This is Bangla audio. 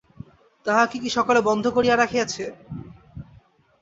তাহাকে কি সকলে বন্ধ করিয়া রাখিয়াছে?